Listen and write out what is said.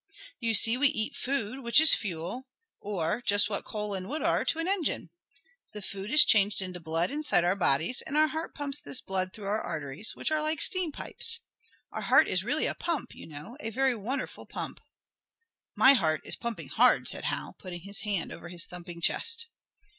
"You see we eat food, which is fuel, or, just what coal and wood are to an engine. The food is changed into blood inside our bodies, and our heart pumps this blood through our arteries, which are like steam pipes. Our heart is really a pump, you know; a very wonderful pump." "My heart is pumping hard," said Hal, putting his hand over his thumping chest.